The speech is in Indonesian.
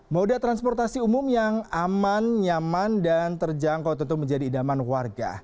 moda transportasi umum yang aman nyaman dan terjangkau tentu menjadi idaman warga